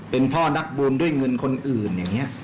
เป็นพ่อนักบุญด้วยเงินคนอื่นอย่างนี้